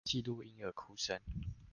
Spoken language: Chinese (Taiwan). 記錄嬰兒哭聲